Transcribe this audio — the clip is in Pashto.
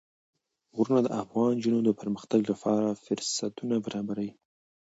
غرونه د افغان نجونو د پرمختګ لپاره فرصتونه برابروي.